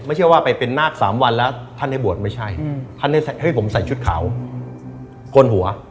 ไม่ใช่ว่าไปเป็นนาค๓วันแล้วท่านได้บวชไม่ใช่ท่านได้ให้ผมใส่ชุดขาวกลหัว